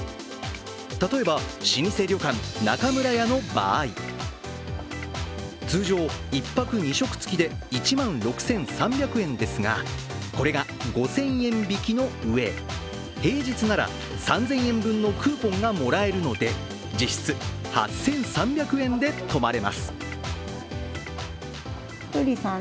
例えば、老舗旅館・中村屋の場合、通常、１泊２食付きで１万６３００円ですがこれが５０００円引きのうえ、平日なら３０００円分のクーポンがもらえるので実質８３００円で泊まれます。